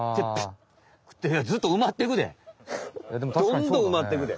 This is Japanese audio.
どんどんうまってくで。